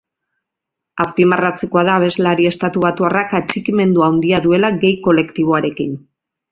Azpimarratzekoa da abeslari estatubatuarrak atxikimendu handia duela gay kolektiboarekin.